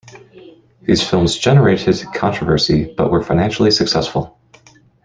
These films generated controversy, but were financially successful.